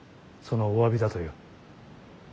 そのおわびだとよ。